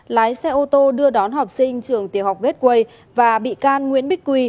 lái xe ô tô đưa đón học sinh trường tiểu học gateway và bị can nguyễn bích quy